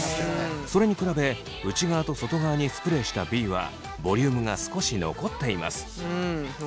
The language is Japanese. それに比べ内側と外側にスプレーしたＢはボリュームが少し残っています。